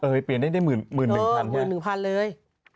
เออเปลี่ยนได้หมื่นหนึ่งพันเลย